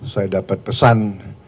saya dapat pesan